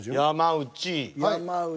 山内。